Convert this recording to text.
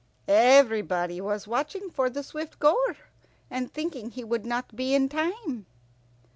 Everybody was watching for the Swift goer, and thinking he would not be in time.